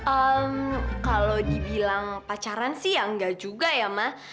oh kalau dibilang pacaran sih ya enggak juga ya mah